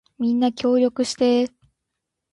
みんな協力してー